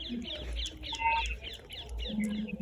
电影普遍地得到负面评价及票房失败。